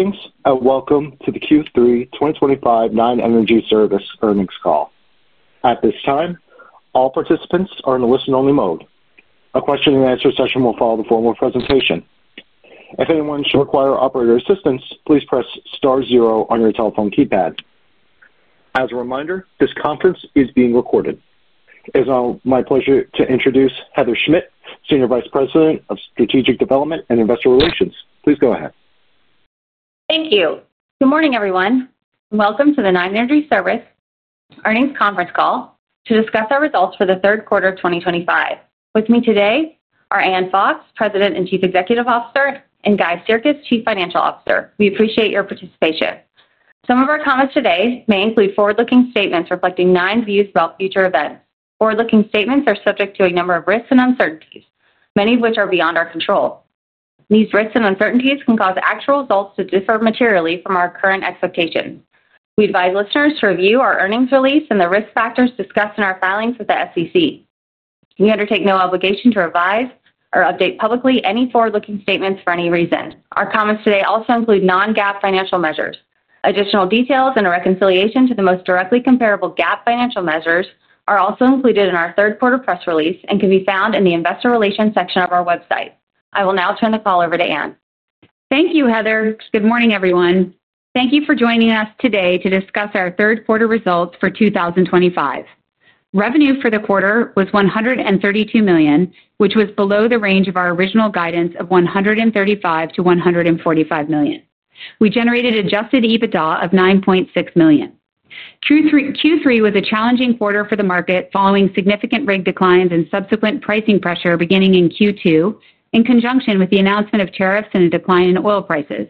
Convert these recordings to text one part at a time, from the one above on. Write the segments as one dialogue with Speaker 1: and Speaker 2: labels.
Speaker 1: Greetings and welcome to the Q3 2025 Nine Energy Service earnings call. At this time, all participants are in the listen-only mode. A question-and-answer session will follow the formal presentation. If anyone should require operator assistance, please press star zero on your telephone keypad. As a reminder, this conference is being recorded. It is now my pleasure to introduce Heather Schmidt, Senior Vice President of Strategic Development and Investor Relations. Please go ahead.
Speaker 2: Thank you. Good morning, everyone. Welcome to the Nine Energy Service earnings conference call to discuss our results for the third quarter of 2025. With me today are Ann Fox, President and Chief Executive Officer, and Guy Sirkes, Chief Financial Officer. We appreciate your participation. Some of our comments today may include forward-looking statements reflecting Nine's views about future events. Forward-looking statements are subject to a number of risks and uncertainties, many of which are beyond our control. These risks and uncertainties can cause actual results to differ materially from our current expectations. We advise listeners to review our earnings release and the risk factors discussed in our filings with the SEC. We undertake no obligation to revise or update publicly any forward-looking statements for any reason. Our comments today also include non-GAAP financial measures. Additional details and a reconciliation to the most directly comparable GAAP financial measures are also included in our third quarter press release and can be found in the Investor Relations section of our website. I will now turn the call over to Ann.
Speaker 3: Thank you, Heather. Good morning, everyone. Thank you for joining us today to discuss our third quarter results for 2025. Revenue for the quarter was $132 million, which was below the range of our original guidance of $135-$145 million. We generated adjusted EBITDA of $9.6 million. Q3 was a challenging quarter for the market following significant rig declines and subsequent pricing pressure beginning in Q2, in conjunction with the announcement of tariffs and a decline in oil prices.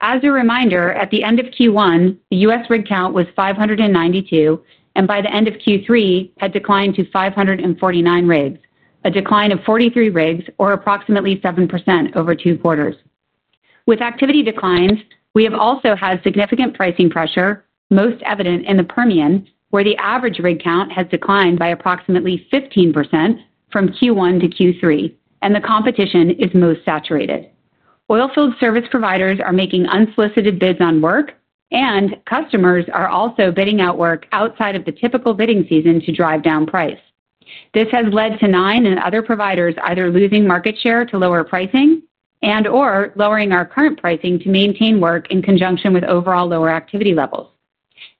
Speaker 3: As a reminder, at the end of Q1, the U.S. rig count was 592, and by the end of Q3, had declined to 549 rigs, a decline of 43 rigs, or approximately 7% over two quarters. With activity declines, we have also had significant pricing pressure, most evident in the Permian Basin, where the average rig count has declined by approximately 15% from Q1 to Q3, and the competition is most saturated. Oilfield service providers are making unsolicited bids on work, and customers are also bidding out work outside of the typical bidding season to drive down price. This has led to Nine and other providers either losing market share to lower pricing and/or lowering our current pricing to maintain work in conjunction with overall lower activity levels.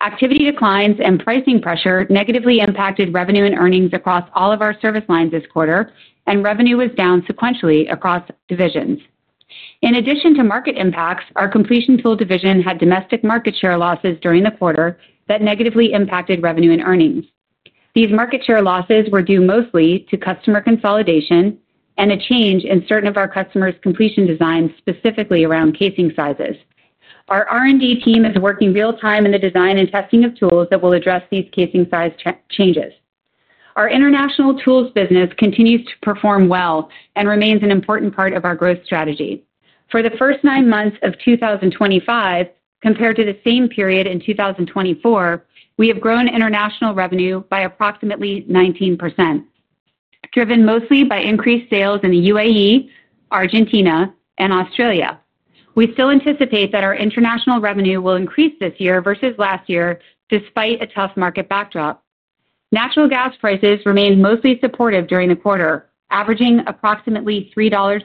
Speaker 3: Activity declines and pricing pressure negatively impacted revenue and earnings across all of our service lines this quarter, and revenue was down sequentially across divisions. In addition to market impacts, our completion tools division had domestic market share losses during the quarter that negatively impacted revenue and earnings. These market share losses were due mostly to customer consolidation and a change in certain of our customers' completion designs, specifically around casing sizes. Our R&D team is working real-time in the design and testing of tools that will address these casing size changes. Our international tools business continues to perform well and remains an important part of our growth strategy. For the first nine months of 2025, compared to the same period in 2024, we have grown international revenue by approximately 19%, driven mostly by increased sales in the UAE, Argentina, and Australia. We still anticipate that our international revenue will increase this year versus last year, despite a tough market backdrop. Natural gas prices remained mostly supportive during the quarter, averaging approximately $3.03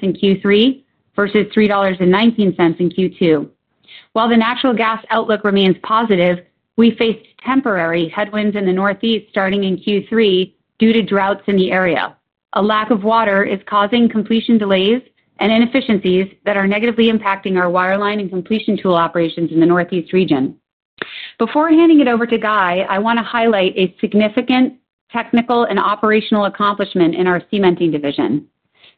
Speaker 3: in Q3 versus $3.19 in Q2. While the natural gas outlook remains positive, we faced temporary headwinds in the Northeast starting in Q3 due to droughts in the area. A lack of water is causing completion delays and inefficiencies that are negatively impacting our wireline and completion tool operations in the Northeast region. Before handing it over to Guy, I want to highlight a significant technical and operational accomplishment in our cementing division.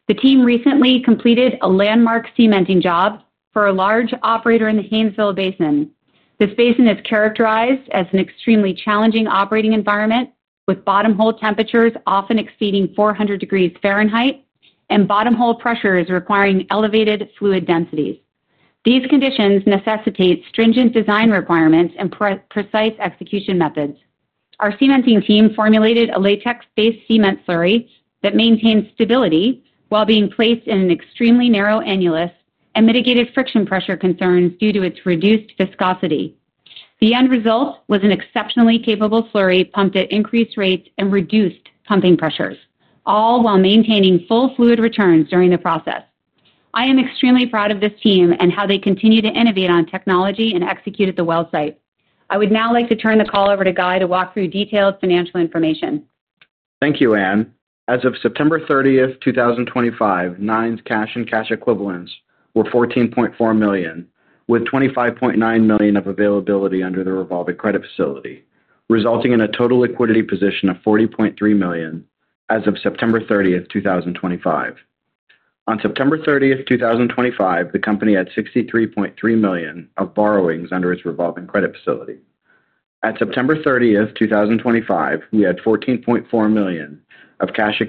Speaker 3: The team recently completed a landmark cementing job for a large operator in the Haynesville Basin. This basin is characterized as an extremely challenging operating environment, with bottom hole temperatures often exceeding 400 degrees Fahrenheit, and bottom hole pressures requiring elevated fluid densities. These conditions necessitate stringent design requirements and precise execution methods. Our cementing team formulated a latex-based cement slurry that maintained stability while being placed in an extremely narrow annulus and mitigated friction pressure concerns due to its reduced viscosity. The end result was an exceptionally capable slurry pumped at increased rates and reduced pumping pressures, all while maintaining full fluid returns during the process. I am extremely proud of this team and how they continue to innovate on technology and execute at the well site. I would now like to turn the call over to Guy to walk through detailed financial information.
Speaker 4: Thank you, Ann. As of September 30th, 2025, Nine's cash and cash equivalents were $14.4 million, with $25.9 million of availability under the revolving credit facility, resulting in a total liquidity position of $40.3 million as of September 30th, 2025. On September 30th, 2025, the company had $63.3 million of borrowings under its revolving credit facility. At September 30th, 2025, we had $14.4 million of cash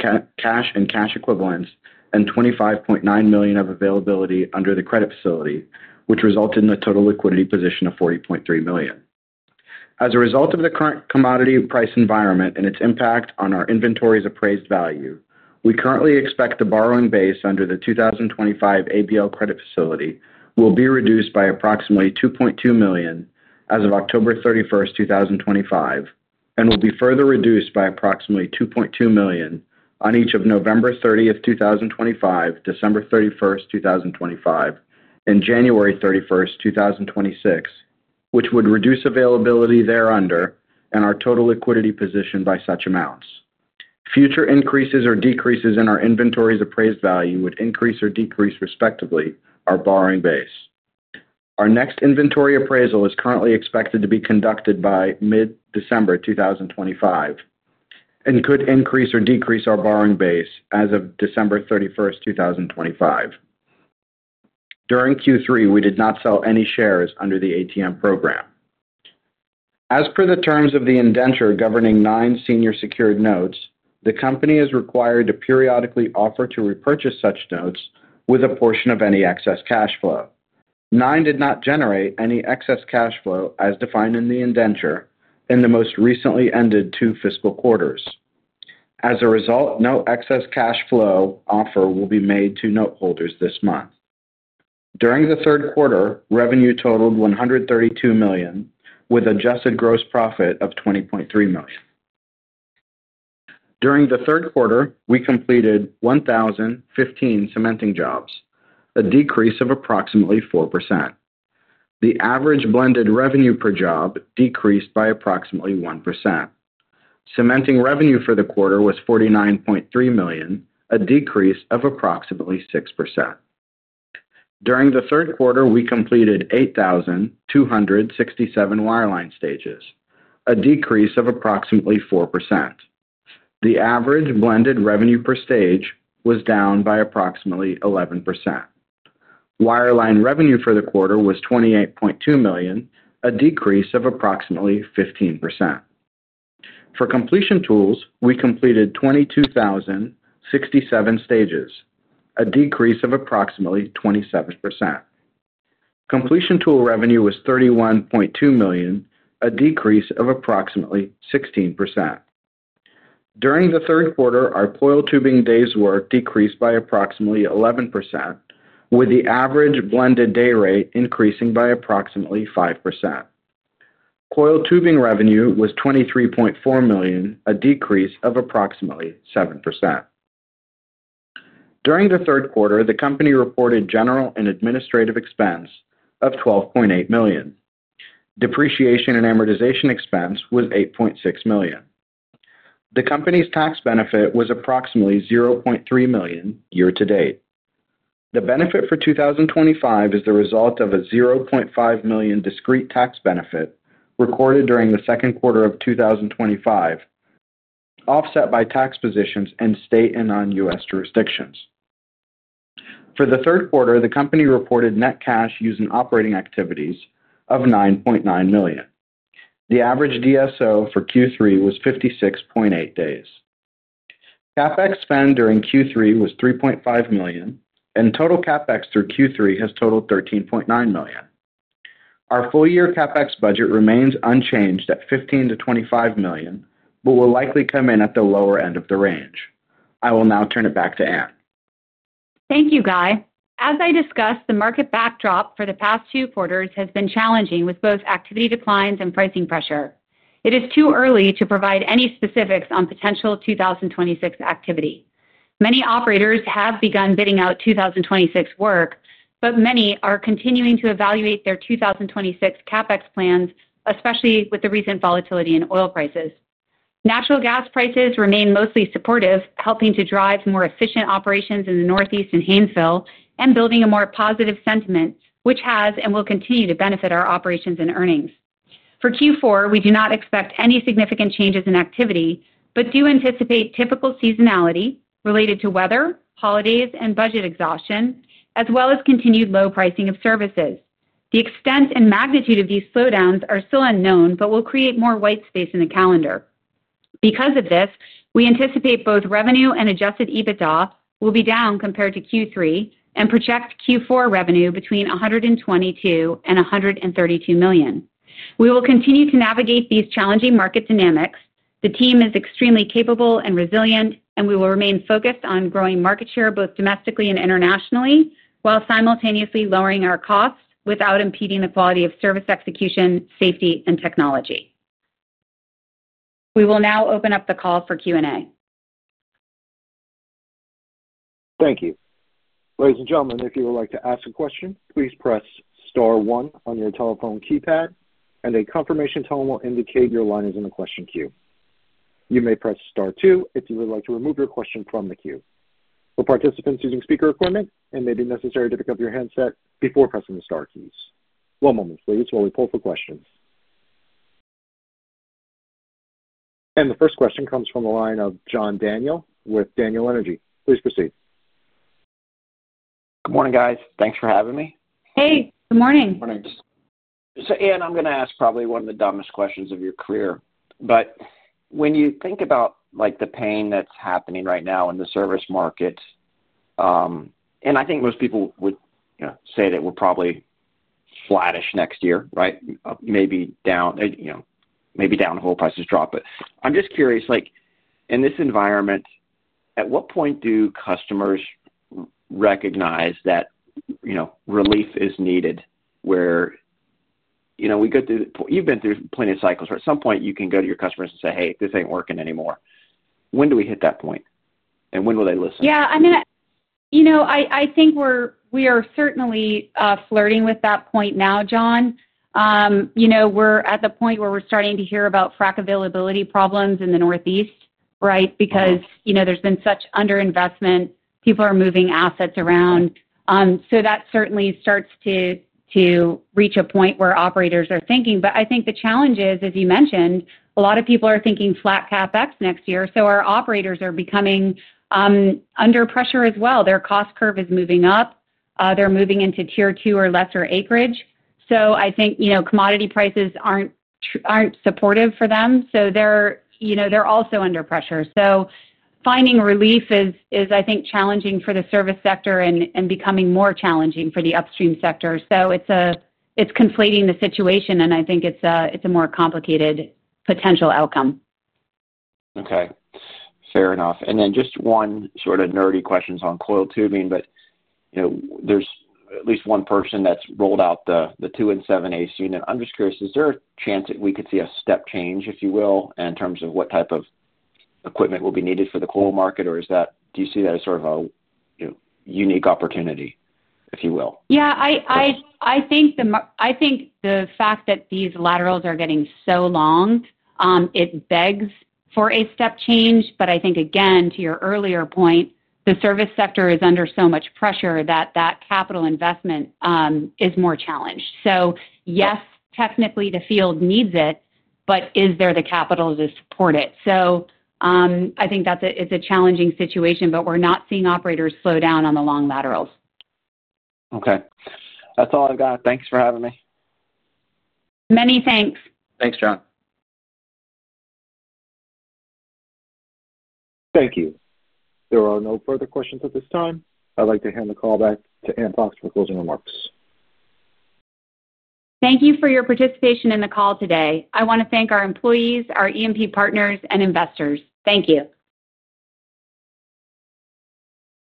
Speaker 4: and cash equivalents and $25.9 million of availability under the credit facility, which resulted in a total liquidity position of $40.3 million. As a result of the current commodity price environment and its impact on our inventory's appraised value, we currently expect the borrowing base under the 2025 ABL credit facility will be reduced by approximately $2.2 million as of October 31st, 2025, and will be further reduced by approximately $2.2 million on each of November 30th, 2025, December 31st, 2025, and January 31, 2026, which would reduce availability thereunder and our total liquidity position by such amounts. Future increases or decreases in our inventory's appraised value would increase or decrease, respectively, our borrowing base. Our next inventory appraisal is currently expected to be conducted by mid-December 2025 and could increase or decrease our borrowing base as of December 31st, 2025. During Q3, we did not sell any shares under the ATM program. As per the terms of the indenture governing Nine's senior secured notes, the company is required to periodically offer to repurchase such notes with a portion of any excess cash flow. Nine did not generate any excess cash flow as defined in the indenture in the most recently ended two fiscal quarters. As a result, no excess cash flow offer will be made to noteholders this month. During the third quarter, revenue totaled $132 million, with adjusted gross profit of $20.3 million. During the third quarter, we completed 1,015 cementing jobs, a decrease of approximately 4%. The average blended revenue per job decreased by approximately 1%. Cementing revenue for the quarter was $49.3 million, a decrease of approximately 6%. During the third quarter, we completed 8,267 wireline stages, a decrease of approximately 4%. The average blended revenue per stage was down by approximately 11%. Wireline revenue for the quarter was $28.2 million, a decrease of approximately 15%. For completion tools, we completed 22,067 stages, a decrease of approximately 27%. Completion tool revenue was $31.2 million, a decrease of approximately 16%. During the third quarter, our coiled tubing days worked decreased by approximately 11%, with the average blended day rate increasing by approximately 5%. Coiled tubing revenue was $23.4 million, a decrease of approximately 7%. During the third quarter, the company reported general and administrative expense of $12.8 million. Depreciation and amortization expense was $8.6 million. The company's tax benefit was approximately $0.3 million year to date. The benefit for 2025 is the result of a $0.5 million discrete tax benefit recorded during the second quarter of 2025, offset by tax positions in state and non-U.S. jurisdictions. For the third quarter, the company reported net cash used in operating activities of $9.9 million. The average DSO for Q3 was 56.8 days. CapEx spend during Q3 was $3.5 million, and total CapEx through Q3 has totaled $13.9 million. Our full-year CapEx budget remains unchanged at $15-$25 million, but will likely come in at the lower end of the range. I will now turn it back to Ann.
Speaker 3: Thank you, Guy. As I discussed, the market backdrop for the past two quarters has been challenging with both activity declines and pricing pressure. It is too early to provide any specifics on potential 2026 activity. Many operators have begun bidding out 2026 work, but many are continuing to evaluate their 2026 CapEx plans, especially with the recent volatility in oil prices. Natural gas prices remain mostly supportive, helping to drive more efficient operations in the Northeast and Haynesville, and building a more positive sentiment, which has and will continue to benefit our operations and earnings. For Q4, we do not expect any significant changes in activity, but do anticipate typical seasonality related to weather, holidays, and budget exhaustion, as well as continued low pricing of services. The extent and magnitude of these slowdowns are still unknown, but will create more white space in the calendar. Because of this, we anticipate both revenue and adjusted EBITDA will be down compared to Q3 and project Q4 revenue between $122 million and $132 million. We will continue to navigate these challenging market dynamics. The team is extremely capable and resilient, and we will remain focused on growing market share both domestically and internationally while simultaneously lowering our costs without impeding the quality of service execution, safety, and technology. We will now open up the call for Q&A.
Speaker 1: Thank you. Ladies and gentlemen, if you would like to ask a question, please press star one on your telephone keypad, and a confirmation tone will indicate your line is in the question queue. You may press star two if you would like to remove your question from the queue. For participants using speaker equipment, it may be necessary to pick up your handset before pressing the Star keys. One moment, please, while we pull for questions. The first question comes from the line of John Daniel with Daniel Energy Partners. Please proceed.
Speaker 5: Good morning, guys. Thanks for having me.
Speaker 3: Hey, good morning.
Speaker 5: Morning. Ann, I'm going to ask probably one of the dumbest questions of your career. When you think about the pain that's happening right now in the service market, I think most people would say that we're probably flattish next year, right? Maybe down. Whole prices drop. I'm just curious, in this environment, at what point do customers recognize that relief is needed? We go through cycles, you've been through plenty of cycles, where at some point you can go to your customers and say, "Hey, this ain't working anymore." When do we hit that point, and when will they listen?
Speaker 3: Yeah. I mean, I think we are certainly flirting with that point now, John. We're at the point where we're starting to hear about frac availability problems in the Northeast, right? Because there's been such underinvestment, people are moving assets around. That certainly starts to reach a point where operators are thinking. I think the challenge is, as you mentioned, a lot of people are thinking flat CapEx next year. Our operators are becoming under pressure as well. Their cost curve is moving up, they're moving into tier two or lesser acreage. I think commodity prices aren't supportive for them, so they're also under pressure. Finding relief is, I think, challenging for the service sector and becoming more challenging for the upstream sector. It's conflating the situation, and I think it's a more complicated potential outcome.
Speaker 5: Okay. Fair enough. Just one sort of nerdy question on coiled tubing. There is at least one person that's rolled out the 2 and 7/8 unit. I'm just curious, is there a chance that we could see a step change, if you will, in terms of what type of equipment will be needed for the coiled tubing market? Or do you see that as sort of a unique opportunity, if you will?
Speaker 3: I think the fact that these laterals are getting so long begs for a step change. I think, again, to your earlier point, the service sector is under so much pressure that capital investment is more challenged. Yes, technically, the field needs it, but is there the capital to support it? I think it's a challenging situation, but we're not seeing operators slow down on the long laterals.
Speaker 5: Okay, that's all I've got. Thanks for having me.
Speaker 3: Many thanks.
Speaker 4: Thanks, John.
Speaker 1: Thank you. There are no further questions at this time. I'd like to hand the call back to Ann Fox for closing remarks.
Speaker 3: Thank you for your participation in the call today. I want to thank our employees, our EMP partners, and investors. Thank you.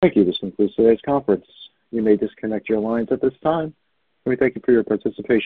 Speaker 1: Thank you. This concludes today's conference. You may disconnect your lines at this time. We thank you for your participation.